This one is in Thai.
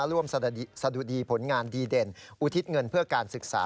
ร่วมสะดุดีผลงานดีเด่นอุทิศเงินเพื่อการศึกษา